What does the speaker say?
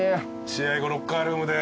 試合後ロッカールームで。